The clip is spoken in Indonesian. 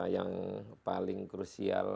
yang paling krusial